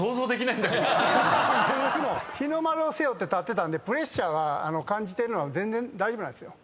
何でですの⁉日の丸を背負って立ってたんでプレッシャーを感じてるのは全然大丈夫なんですよ。